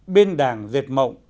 bên đàng diệt mộng